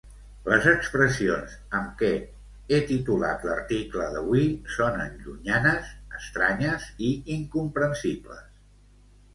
Les expressions amb què he titulat l'article d'avui sonen llunyanes, estranyes i incomprensibles.